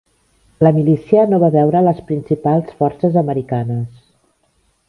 La milícia no va veure les principals forces americanes.